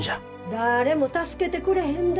だれも助けてくれへんで。